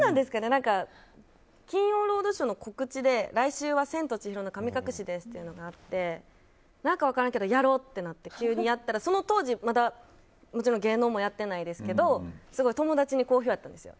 「金曜ロードＳＨＯＷ！」の告知で、来週は「千と千尋の神隠し」ですっていうのがあって何か分からんけどやろってなって急にやったらその当時、まだもちろん芸能もやってないですけど友達に好評やったんですよ。